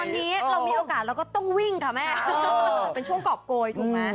วันนี้เรามีโอกาสเราก็ต้องวิ่งค่ะแม่เป็นช่วงกรอบโกยถูกไหม